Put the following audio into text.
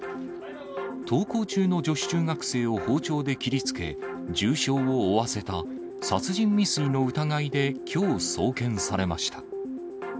登校中の女子中学生を包丁で切りつけ、重傷を負わせた殺人未遂の疑いできょう送検されました。